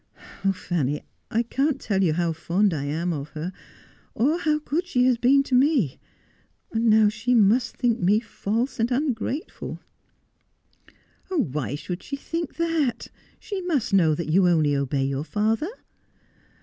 Oh, Fanny, I can't tell you how fond I am of her, or how good she has been to me. And now she must think me false and ungrateful.' ' Why should she think that 1 She must know that you only obey your father.'